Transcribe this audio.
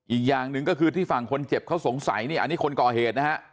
อีกอย่างหนึ่งก็คือที่ฝั่งคนเจ็บเขาสงสัยนี่อันนี้คนก่อเหตุนะฮะ